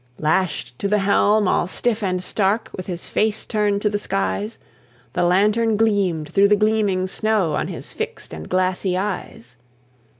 Lashed to the helm, all stiff and stark, With his face turned to the skies, The lantern gleamed through the gleaming snow On his fixed and glassy eyes.